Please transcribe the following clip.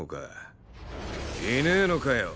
いねえのかよ